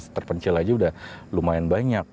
terpencil aja udah lumayan banyak